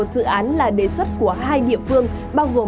một mươi một dự án là đề xuất của hai địa phương